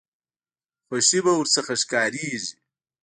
خوښي به ورڅخه ښکاریږي.